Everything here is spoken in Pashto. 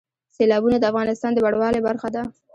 سیلابونه د افغانستان د بڼوالۍ برخه ده.